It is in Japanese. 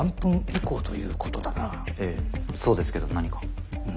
ええそうですけど何か？